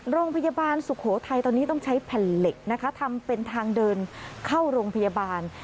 โรงพยาบาลสุโขทัยตอนนี้ต้องใช้แผ่นเหล็กนะคะทำเป็นทางเดินเข้าโรงพยาบาล